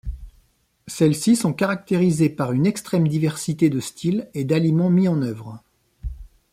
Celles-ci sont caractérisées par une extrême diversité de styles et d'aliments mis en œuvre.